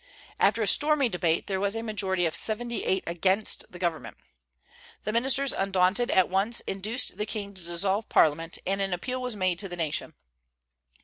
After a stormy debate there was a majority of seventy eight against the government. The ministers, undaunted, at once induced the king to dissolve Parliament, and an appeal was made to the nation.